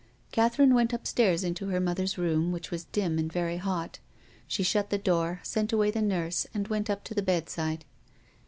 Catherine went upstairs into her mother's room, which was dim and very hot. She shut the door, sent away the nurse, and went up to the bedside.